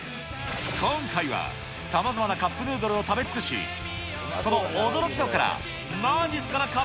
今回は、さまざまなカップヌードルを食べ尽くし、その驚き度から、まじっすかな